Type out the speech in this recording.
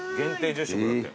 １０食だって。